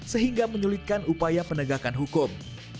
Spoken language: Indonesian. sehingga menyulitkan upaya penegakan hukum